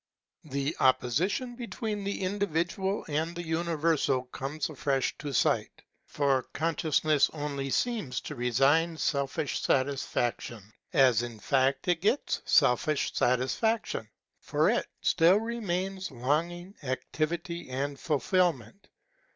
The opposition between the Individual and the Universal comes afresh to sight. For Consciousness only seems to resign selfish satisfaction. As a fact it gets selfish satisfaction. For it still remains longing, activity, and fulfilment.